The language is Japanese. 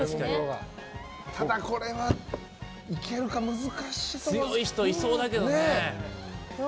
ただ、これはいけるか難しそう。